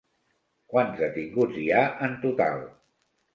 Quants detinguts hi ha en total?